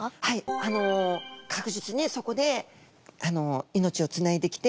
あの確実にそこで命をつないできて。